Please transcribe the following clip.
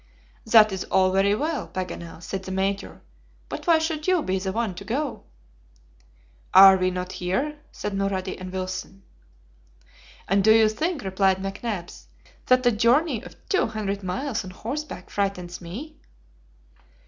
"That is all very well, Paganel," said the Major; "but why should you be the one to go?" "Are we not here?" said Mulrady and Wilson. "And do you think," replied McNabbs, "that a journey of two hundred miles on horseback frightens me."